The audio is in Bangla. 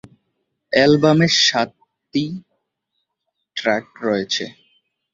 অ্যালবামে সাতটি ট্র্যাক আছে।